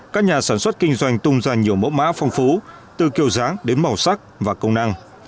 các nhà sản xuất kinh doanh tung ra nhiều mẫu mã phong phú từ kiểu dáng đến màu sắc và công năng